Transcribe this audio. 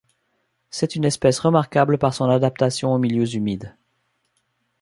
C'est une espèce remarquable par son adaptation aux milieux humides.